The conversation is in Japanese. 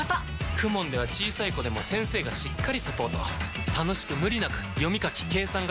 ＫＵＭＯＮ では小さい子でも先生がしっかりサポート楽しく無理なく読み書き計算が身につきます！